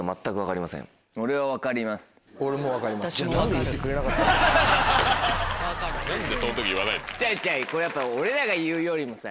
違う違うこれやっぱ俺らが言うよりもさ。